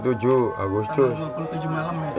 tanggal dua puluh tujuh malam ya